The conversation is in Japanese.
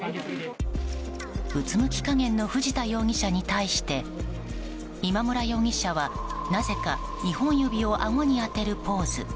うつむき加減の藤田容疑者に対して今村容疑者は、なぜか２本指をあごに当てるポーズ。